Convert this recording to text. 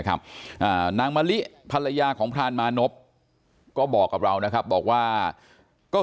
นางมะลิภรรยาของพรานมานพก็บอกกับเรานะครับบอกว่าก็